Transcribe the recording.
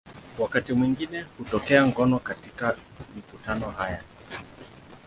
Wakati mwingine hutokea ngono katika mikutano haya.